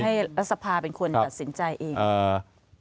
โดยให้รัฐสภาเป็นคนตัดสินใจเอง